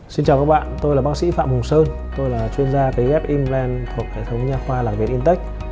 xin chào các bạn tôi là bác sĩ phạm hùng sơn tôi là chuyên gia kế ghép implant thuộc hệ thống nhà khoa lạc việt intex